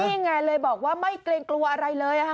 นี่ไงเลยบอกว่าไม่เกรงกลัวอะไรเลยค่ะ